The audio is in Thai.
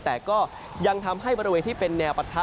แต่ก็ยังทำให้บริเวณที่เป็นแนวปะทะ